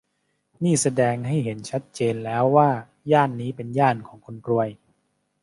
นี่แสดงให้เห็นชัดเจนแล้วว่าย่านนี้เป็นย่านของคนรวย